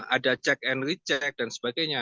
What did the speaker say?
ada check and recheck dan sebagainya